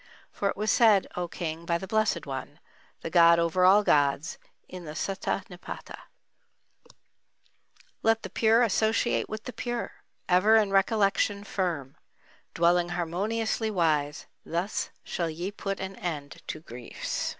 For it was said, O King, by the Blessed one, the god over all gods, in the Sutta Nipâta: Let the pure associate with the pure, Ever in recollection firm; Dwelling harmoniously wise, Thus shall ye put an end to griefs.